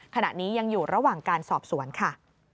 ขณะนี้ยังอยู่ระหว่างการสอบสวนค่ะ